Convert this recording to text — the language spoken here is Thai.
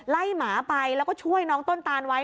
หมาไปแล้วก็ช่วยน้องต้นตานไว้